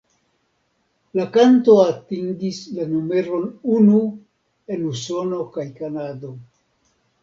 La kanto atingis la numeron unu en Usono kaj Kanado.